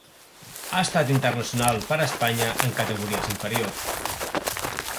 Ha estat internacional per Espanya en categories inferiors.